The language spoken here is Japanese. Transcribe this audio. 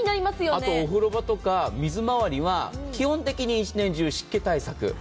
あとお風呂場とか水まわりは基本的に一年中湿気対策。